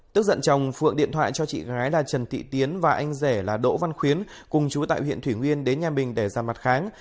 tức giận chồng phượng điện thoại cho chị gái là trần thị tiến và anh rể là đỗ văn khuyến cùng chú tại huyện thủy nguyên đến nhà bình để giàn mặt kháng